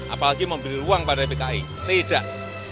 apalagi mau beri ruang pada pki tidak